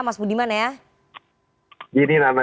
mas budiman ya